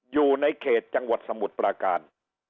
อยู่ในเขตจังหวัดสมุทรปราการ